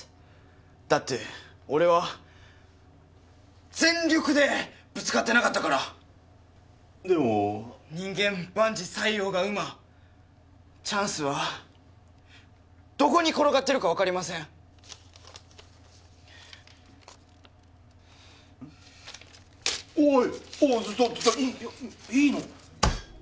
だって俺は全力でぶつかってなかったからでも人間万事塞翁が馬チャンスはどこに転がってるか分かりませんおいいいの？